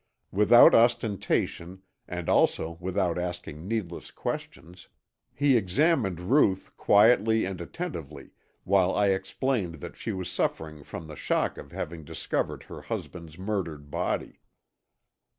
Without ostentation, and also without asking needless questions, he examined Ruth quietly and attentively while I explained that she was suffering from the shock of having discovered her husband's murdered body.